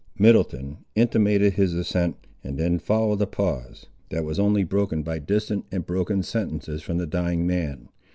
Middleton intimated his assent, and then followed a pause, that was only broken by distant and broken sentences from the dying man.